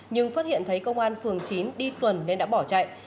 nhưng phát hiện thấy công an phường chín đi tuần nên đã bỏ chạy